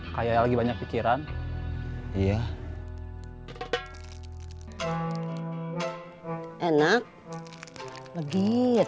kayak lagi banyak pikiran iya enak legit